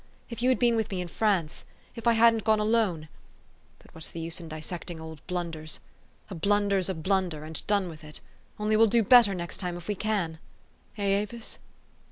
If you had been with me in France if I hadn't gone alone, but what's the use in dissecting old blunders ? A blunder's a blunder, and done with it, only we'll do better next tune, if we can eh, Avis?"